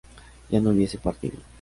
yo no hubiese partido